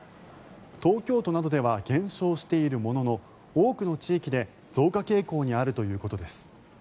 東京都などでは減少しているものの多くの地域で増加傾向にあるということです。